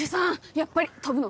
やっぱり飛ぶの？